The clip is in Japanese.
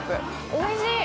おいしい。